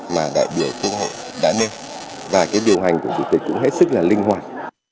mà đại biểu quốc hội đã nêu và cái điều hành của chủ tịch cũng hết sức là linh hoạt